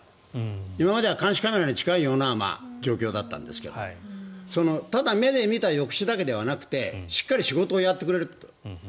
今までは監視カメラに近いような状況だったんですけどただ目で見た抑止だけではなくてしっかり仕事をやってくれると。